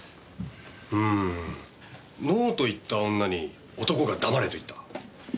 うーん「ノー」と言った女に男が「黙れ」と言った。